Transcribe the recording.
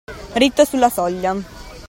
Ritto sulla soglia